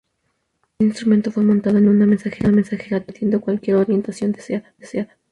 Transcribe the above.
Allí el instrumento fue montado en una mesa giratoria, permitiendo cualquier orientación deseada.